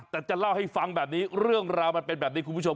แต่จะเล่าให้ฟังแบบนี้เรื่องราวมันเป็นแบบนี้คุณผู้ชม